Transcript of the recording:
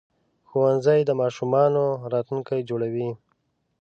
ښوونځي د ماشومانو راتلونکي جوړوي